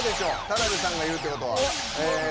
田辺さんが言うってことは。